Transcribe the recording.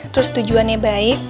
terus tujuannya baik